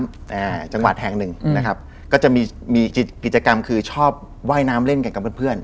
อ่าจังหวัดแห่งหนึ่งอืมนะครับก็จะมีมีจิตกิจกรรมคือชอบว่ายน้ำเล่นกันกับเพื่อนเพื่อน